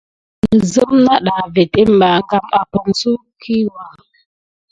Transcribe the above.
Kurum ne sim na zliku na vedem ɓa a barkiwuka.